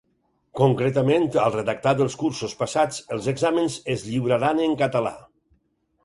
Concretament, al redactat dels cursos passats Els exàmens es lliuraran en català.